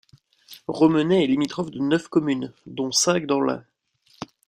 Romenay est limitrophe de neuf communes, dont cinq dans l'Ain.